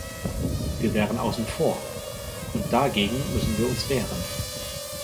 Wir wären außen vor, und dagegen müssen wir uns wehren!